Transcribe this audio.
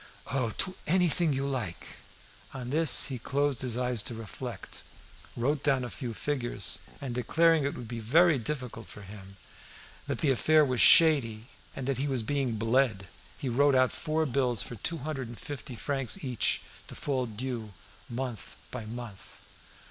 "Oh! to anything you like." On this he closed his eyes to reflect, wrote down a few figures, and declaring it would be very difficult for him, that the affair was shady, and that he was being bled, he wrote out four bills for two hundred and fifty francs each, to fall due month by month.